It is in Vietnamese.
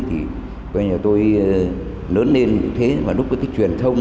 thì coi như là tôi lớn lên như thế mà lúc cái cái truyền thông